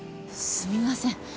すみません。